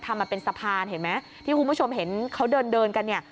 ทำมาเป็นสะพานเห็นไหมที่คุณผู้ชมเห็นเขาเดินเดินกันเนี่ย